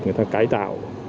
người ta cải tạo